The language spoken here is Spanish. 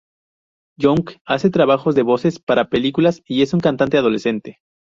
Young hace trabajos de voces para películas, y es una cantante adolescente.